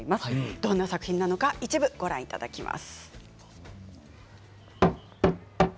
どんな作品なのか一部ご覧いただきます。